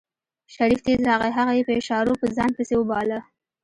شريف تېز راغی هغه يې په اشارو په ځان پسې وباله.